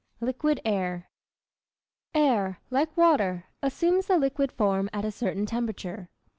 LIQUID AIR. Air, like water, assumes the liquid form at a certain temperature.